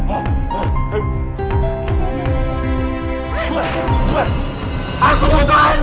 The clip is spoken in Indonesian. aku kutuk angin